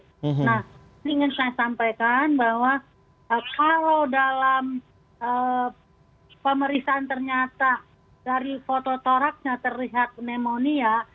nah ini ingin saya sampaikan bahwa kalau dalam pemeriksaan ternyata dari foto toraknya terlihat pneumonia